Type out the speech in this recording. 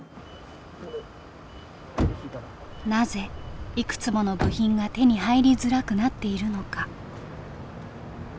なぜいくつもの部品が手に入りづらくなっているのか？